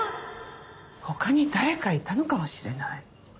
他に誰かいたのかもしれない。